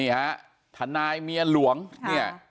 ฮะทนายเมียหลวงเนี่ย